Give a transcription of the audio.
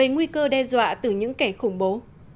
nguy cơ đe dọa từ những kẻ khủng bố